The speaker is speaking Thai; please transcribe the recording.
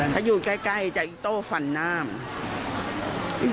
ถ้าอยู่ใกล้จะอีโต้ฟันหน้าม